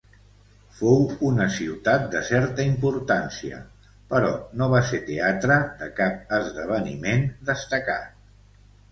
Fou una ciutat de certa importància, però no va ser teatre de cap esdeveniment destacat.